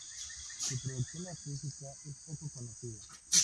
Su producción artística es poco conocida.